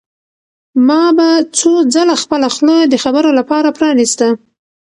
ما به څو ځله خپله خوله د خبرو لپاره پرانیسته.